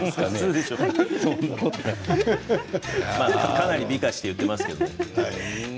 かなり美化して言っていますけどね。